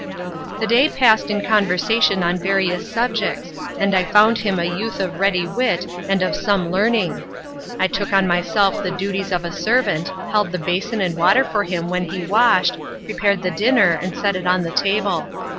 The day passed in conversation on various subjects, and I found him a youth of ready wit and of some learning. I took on myself the duties of a servant, held the basin and water for him when he washed, prepared the dinner and set it on the table.